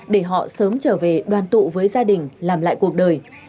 để họ sớm trở về đoàn tụ với gia đình làm lại cuộc đời